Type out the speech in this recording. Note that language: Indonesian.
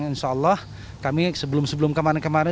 insya allah kami sebelum sebelum kemarin kemarin